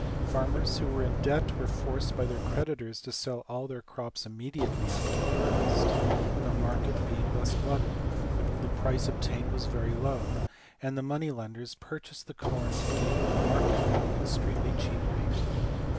Farmers who were in debt were forced by their creditors to sell all their crops immediately after the harvest; the market being thus glutted, the price obtained was very low, and the money lenders purchased the corn in open market at an extremely cheap rate.